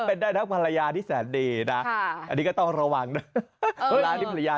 เดี๋ยวผมให้ดักบุคเขาขอโทษนะ